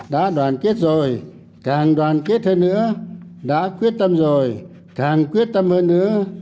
đã đoàn kết rồi càng đoàn kết hơn nữa đã quyết tâm rồi càng quyết tâm hơn nữa